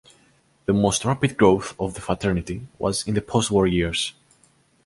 The most rapid growth of the fraternity was in the post-war years.